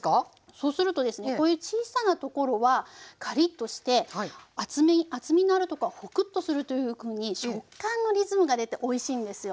そうするとですねこういう小さなところはカリッとして厚み厚みのあるところはホクッとするというふうに食感のリズムが出ておいしいんですよ。